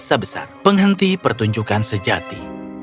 sebesar penghenti pertunjukan sejati